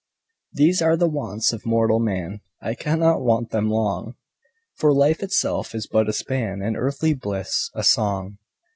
These are the Wants of mortal Man, I cannot want them long, For life itself is but a span, And earthly bliss a song.